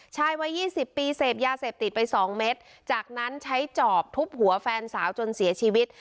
วัย๒๐ปีเสพยาเสพติดไปสองเม็ดจากนั้นใช้จอบทุบหัวแฟนสาวจนเสียชีวิต